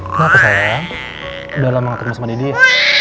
kenapa sayang udah lama gak ketemu sama didi ya